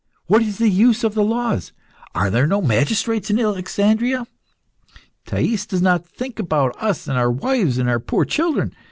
What is the use of the laws? Are there no magistrates in Alexandria? Thais does not think about us and our wives and our poor children.